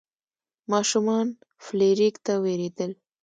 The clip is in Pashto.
ماشومان فلیریک ته ویرېدل.